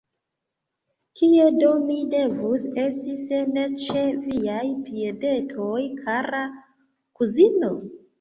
Kie do mi devus esti, se ne ĉe viaj piedetoj, kara kuzino?